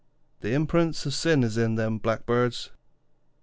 'The imperence of sin is in them Blackbirds!'